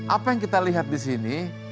apa yang kita lihat disini